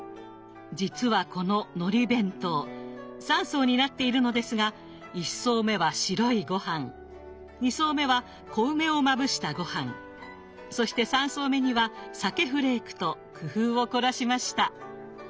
実はこののり弁当三層になっているのですが一層目は白いごはん二層目は小梅をまぶしたごはんそして三層目には鮭フレークと工夫を凝らしました。